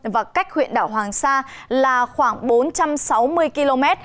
và cách huyện đảo hoàng sa là khoảng bốn trăm sáu mươi km